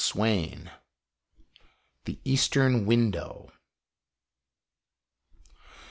ei IV. THE EASTERN WINDOW.